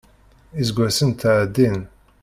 Iseggasen ttɛeddin.